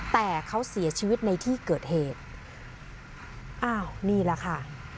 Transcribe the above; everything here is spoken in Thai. แต่เขาเสียชีวิตในที่เกิดเหตุอ้าวนี่แหละค่ะ